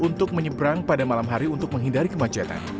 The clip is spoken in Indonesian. untuk menyeberang pada malam hari untuk menghindari kemacetan